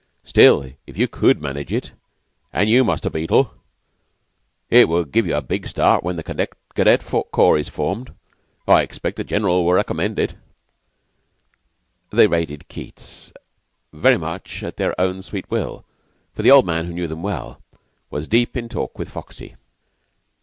Still, if you could manage it and you, Muster Beetle it would give you a big start when the cadet corps is formed. I expect the General will recommend it." They raided Keyte's very much at their own sweet will, for the old man, who knew them well, was deep in talk with Foxy.